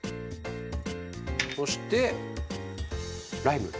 そしてライム。